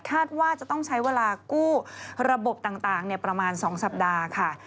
ว่าจะต้องใช้เวลากู้ระบบต่างประมาณ๒สัปดาห์ค่ะ